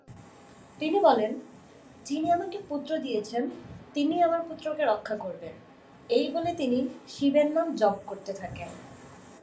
তিনি বলেন, ‘যিনি আমাকে পুত্র দিয়েছেন, তিনিই আমার পুত্রকে রক্ষা করবেন।’ এই বলে তিনি শিবের নাম জপ করতে থাকেন।